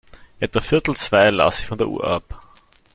Etwa viertel zwei las sie von der Uhr ab.